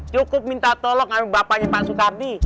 cukup minta tolong sama bapaknya pak soekarni